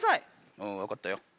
うん分かったよ。